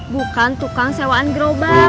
bukan tukang sewaan growback